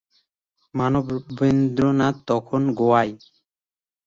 মানবেন্দ্রনাথ তখন গোয়ায়।